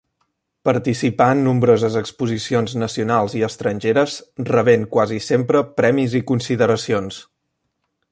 Participà en nombroses exposicions nacionals i estrangeres, rebent quasi sempre premis i consideracions.